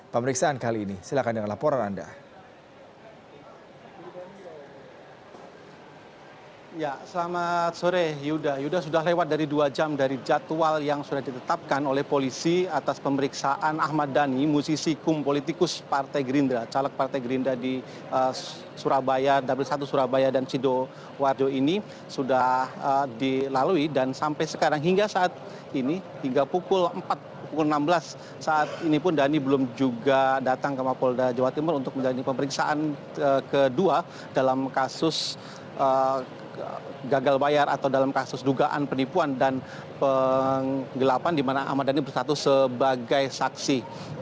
pemeriksaan kedua dalam kasus gagal bayar atau dalam kasus dugaan penipuan dan penggelapan di mana ahmad dhani bersatu sebagai saksi